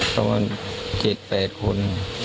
ประมาณ๗๘คน